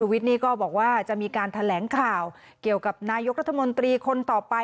วิทย์นี่ก็บอกว่าจะมีการแถลงข่าวเกี่ยวกับนายกรัฐมนตรีคนต่อไป